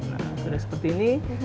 nah udah seperti ini